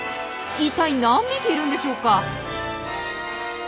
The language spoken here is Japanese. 一体何匹いるんでしょうか。